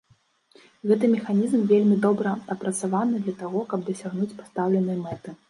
Гэты механізм вельмі добра адпрацаваны для таго, каб дасягнуць пастаўленай мэты.